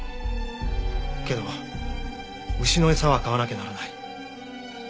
けど牛の餌は買わなきゃならない。